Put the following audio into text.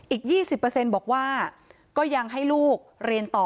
อีก๒๐บอกว่าก็ยังให้ลูกเรียนต่อ